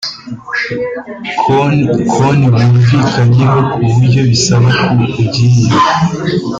Konti bumvikanyeho ku buryo bisaba ko ugiye